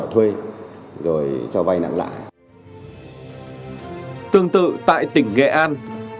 tương tự tại tỉnh nghệ an